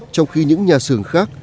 trong khi những nhà sườn khác